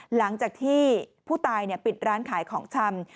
หลังจากที่ผู้ตายปิดร้านขายของชำ